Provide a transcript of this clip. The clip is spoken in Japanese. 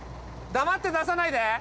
黙って出さないで。